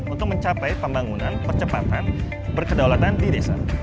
untuk mencapai pembangunan percepatan berkedaulatan di desa